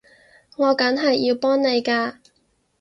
我梗係要幫你㗎